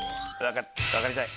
分かりたい！